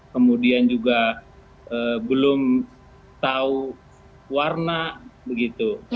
kemudian juga belum tahu warna begitu